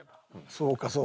そうかそうか。